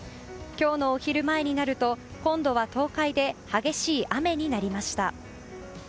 今日のお昼前になると今度は東海で激しい雨になりました。